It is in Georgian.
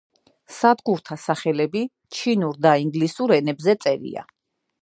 სადგურთა სახელები ჩინურ და ინგლისურ ენებზე წერია.